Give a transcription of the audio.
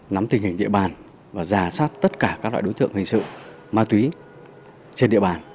nắm tình hình địa bàn và giả soát tất cả các loại đối tượng hình sự ma túy trên địa bàn